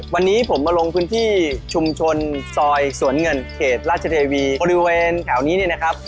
วันนี้ผมมาลงพื้นที่ชุมชนซอยสวนเงินเขตราชเทวีบริเวณแถวนี้เนี่ยนะครับ